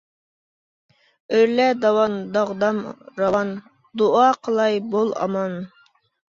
ئۆرلە داۋان داغدام راۋان دۇئا قىلاي بول ئامان.